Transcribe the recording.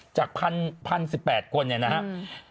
จาก๑๐๑๘คนเนี่ยนะครับ